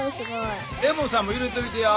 レモンさんも入れといてや。